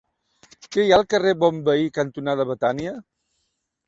Què hi ha al carrer Bonveí cantonada Betània?